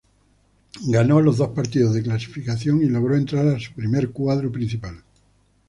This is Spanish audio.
Ganó los dos partidos de clasificación y logró entrar a su primer cuadro principal.